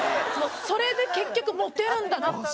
それで結局モテるんだなって。